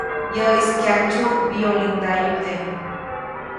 Yäʼis kyandsyu mbiyoliŋdayude.